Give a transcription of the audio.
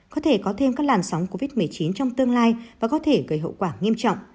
có thể có thêm các làn sóng covid một mươi chín trong tương lai và có thể gây hậu quả nghiêm trọng